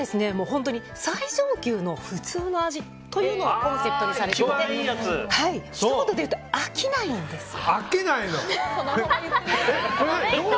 本当に最上級の普通の味をコンセプトにされていてひと言で言うと飽きないんですよ。